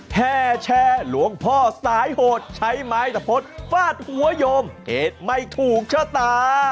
แห่แชร์หลวงพ่อสายโหดใช้ไม้ตะพดฟาดหัวโยมเหตุไม่ถูกชะตา